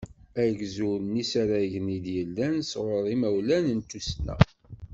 Agzul n yisaragen i d-yellan s ɣur yimawlan n tussna.